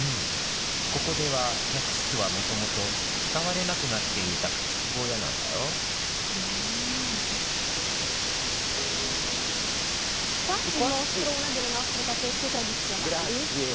ここでは客室はもともと使われなくなっていた家畜小屋なんだよグラッツェ。